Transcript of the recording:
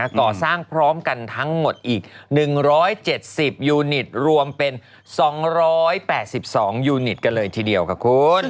ก่อสร้างพร้อมกันทั้งหมดอีก๑๗๐ยูนิตรวมเป็น๒๘๒ยูนิตกันเลยทีเดียวค่ะคุณ